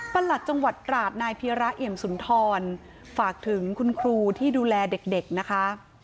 หลัดจังหวัดตราดนายเพียระเอี่ยมสุนทรฝากถึงคุณครูที่ดูแลเด็กนะคะ